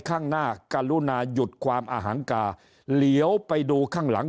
ข้างหน้ากรุณาหยุดความอหังกาเหลียวไปดูข้างหลัง